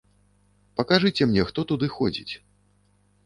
Пакажыце мне, хто туды ходзіць.